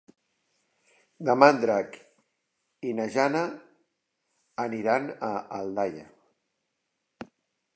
Demà en Drac i na Jana aniran a Aldaia.